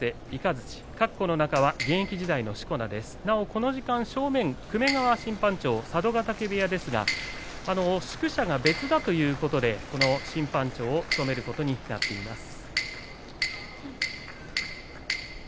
この時間、正面、粂川審判長は佐渡ヶ嶽部屋ですが宿舎が別だということで審判長を務めることになっています。